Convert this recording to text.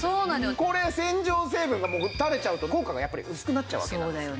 これ洗浄成分が垂れちゃうと効果がやっぱり薄くなっちゃうわけなんですよ。